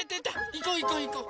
いこういこういこう。